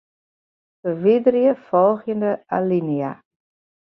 Ferwiderje folgjende alinea.